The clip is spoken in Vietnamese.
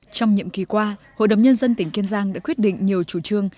trong nhiệm kỳ qua hội đồng nhân dân tỉnh kiên giang đã quyết định nhiều chủ trương